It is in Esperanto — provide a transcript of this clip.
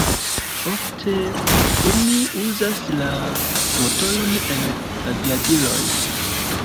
Ofte oni uzas la motoron en aviadiloj.